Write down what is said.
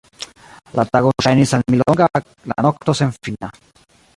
La tago ŝajnis al mi longa; la nokto, senfina.